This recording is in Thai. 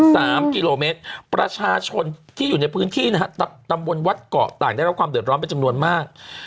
สามกิโลเมตรประชาชนที่อยู่ในพื้นที่นะฮะตำบลวัดเกาะต่างได้รับความเดือดร้อนเป็นจำนวนมาก